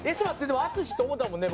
でも淳って思ったもんね